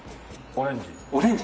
オレンジ。